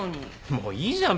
もういいじゃん。